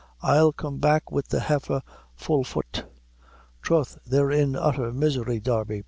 I'll come back wid the heifer fullfut. Troth they're in utther misery, Darby."